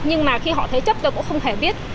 nhưng mà khi họ thế chấp tôi cũng không thể biết